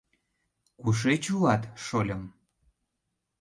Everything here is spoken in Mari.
— Кушеч улат, шольым?